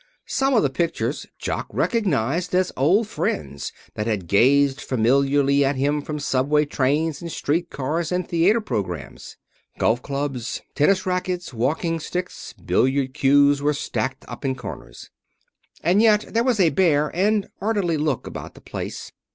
Some of the pictures Jock recognized as old friends that had gazed familiarly at him from subway trains and street cars and theater programmes. Golf clubs, tennis rackets, walking sticks, billiard cues were stacked up in corners. And yet there was a bare and orderly look about the place.